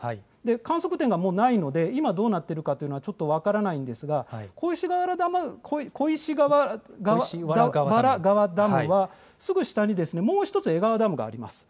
観測点がもうないので、今、どうなっているかというのはちょっと分からないのですが、小石原川ダムは、すぐ下にもう１つえがわダムがあります。